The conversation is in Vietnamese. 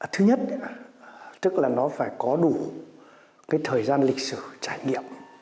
thứ nhất tức là nó phải có đủ cái thời gian lịch sử trải nghiệm